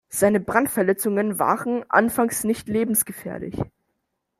Seine Brandverletzungen waren anfangs nicht lebensgefährlich.